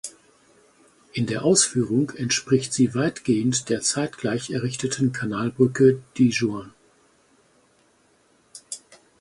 In der Ausführung entspricht sie weitgehend der zeitgleich errichteten Kanalbrücke Digoin.